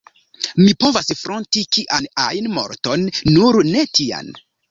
Mi povas fronti kian ajn morton, nur ne tian.